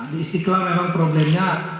di istiqlal memang problemnya